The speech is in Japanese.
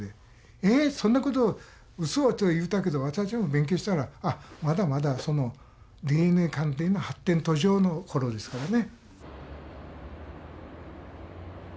「えそんなことうそ！」と言うたけど私らも勉強したらまだまだＤＮＡ鑑定の発展途上のころですからね。